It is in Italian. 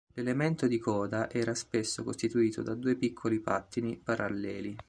L'elemento di coda era spesso costituito da due piccoli pattini paralleli.